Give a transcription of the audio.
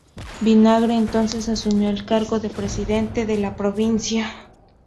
Vinagre entonces asumió el cargo de Presidente de la Provincia.